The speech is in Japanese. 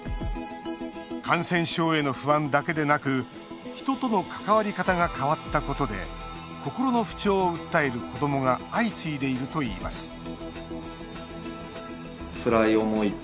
感染症への不安だけでなく人との関わり方が変わったことで心の不調を訴える子どもが相次いでいるといいます